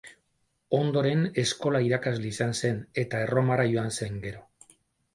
Ondoren eskola-irakasle izan zen, eta Erromara joan zen gero.